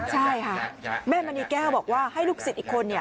ใช่ค่ะแม่มณีแก้วบอกว่าให้ลูกศิษย์อีกคน